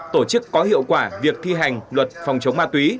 tổ chức có hiệu quả việc thi hành luật phòng chống ma túy